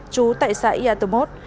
chú tại xã yatomot